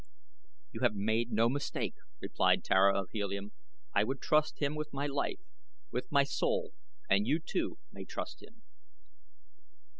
"You have made no mistake," replied Tara of Helium. "I would trust him with my life with my soul; and you, too, may trust him."